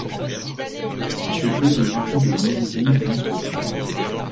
À ses pieds des outils de menuiserie jonchent le sol.